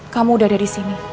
kamu udah ada di sini